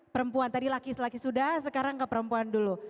perempuan tadi laki laki sudah sekarang ke perempuan dulu